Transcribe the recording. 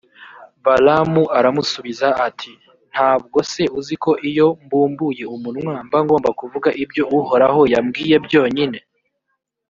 balamu aramusubiza ati «nta bwo se uzi ko iyo mbumbuye umunwa, mba ngomba kuvuga ibyo uhoraho yambwiye byonyine?»